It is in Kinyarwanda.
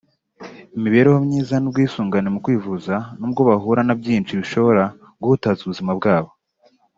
imibereho myiza n’ubwisungane mu kwivuza n’ubwo bahura na byinshi bishobora guhutaza ubuzima bwabo